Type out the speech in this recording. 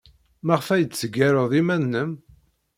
Maɣef ay d-teggared iman-nnem?